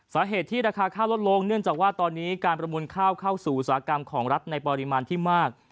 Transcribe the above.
สาเหตุที่ราคาข้าวลดลงเนื่องจากว่าตอนนี้การประมูลข้าวเข้าสู่อุตสาหกรรมของรัฐในปริมาณที่มาก